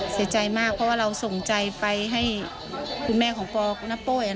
เสียใจมากเพราะว่าเราส่งใจไปให้คุณแม่ของปอคุณนโป้ย